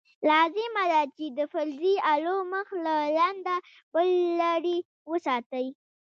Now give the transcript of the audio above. لازمه ده چې د فلزي الو مخ له لنده بل لرې وساتئ.